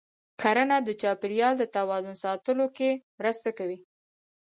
کرنه د چاپېریال د توازن ساتلو کې مرسته کوي.